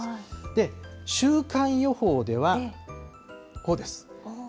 で、週間予報では、こうです。